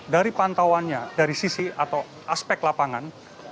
dari pantauannya dari sisi atau aspek lapangan